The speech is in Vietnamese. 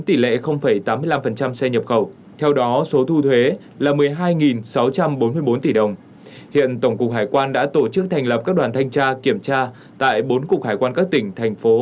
tổng cục hải quan đã tổ chức thành lập các đoàn thanh tra kiểm tra tại bốn cục hải quan các tỉnh thành phố